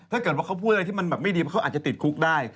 ถ้าเกิดว่าเขาพูดอะไรที่มันแบบไม่ดีเพราะเขาอาจจะติดคุกได้